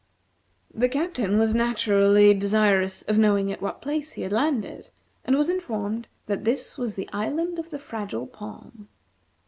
The Captain was naturally desirous of knowing at what place he had landed, and was informed that this was the Island of the Fragile Palm.